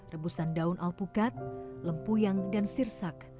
rebusan daun alpukat lempu yang dan sirsak